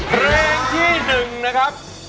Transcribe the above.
เพลงที่๑นะครับ